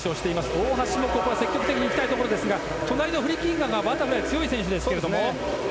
大橋もここは積極的に行きたいところですが、隣のフリキンガーがバタフライ、強い選手ですけれども。